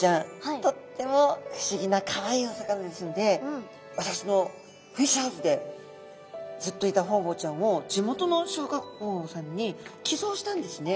とっても不思議なかわいいお魚ですので私のフィッシュハウスでずっといたホウボウちゃんを地元の小学校さんに寄贈したんですね。